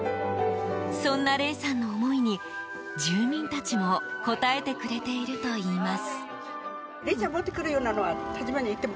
そんな玲さんの思いに住民たちも応えてくれているといいます。